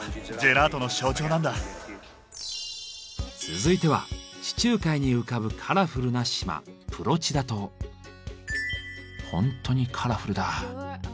続いては地中海に浮かぶカラフルな島ほんとにカラフルだ。